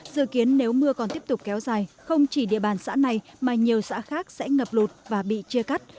dự kiến nếu mưa còn tiếp tục kéo dài không chỉ địa bàn xã này mà nhiều xã khác sẽ ngập lụt và bị chia cắt